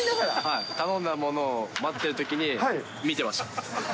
頼んだものを待ってるときに見てました。